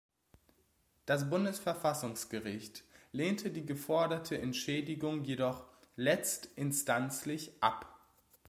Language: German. Das Bundesverfassungsgericht lehnte die geforderte Entschädigung jedoch letztinstanzlich ab.